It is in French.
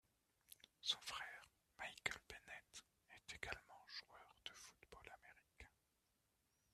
Son frère, Michael Bennett, est également joueur de football américain.